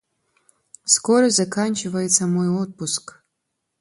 Скоро заканчивается мой отпуск.